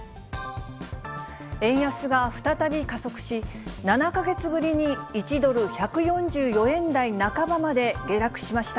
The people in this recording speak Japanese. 円安が再び加速し、７か月ぶりに１ドル１４４円台半ばまで下落しました。